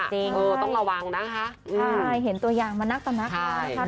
จริงเออต้องระวังนะคะค่ายย์เห็นตัวอย่างมานักตัวนักเอาค่า